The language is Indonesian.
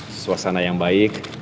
di suasana yang baik